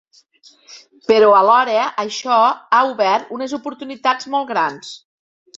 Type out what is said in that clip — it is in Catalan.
Però alhora això ha obert unes oportunitats molt grans.